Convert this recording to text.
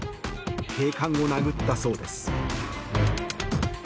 警官を殴ったそうです。